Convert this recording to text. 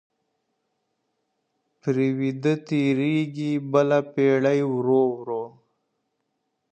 پرې ویده تېرېږي بله پېړۍ ورو ورو؛